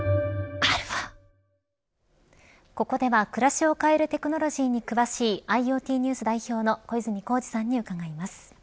ここでは、暮らしを変えるテクノロジーに詳しいＩｏＴＮＥＷＳ代表の小泉耕二さんに伺います。